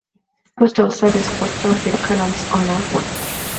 Postal Service for a stamp in Cannon's honor.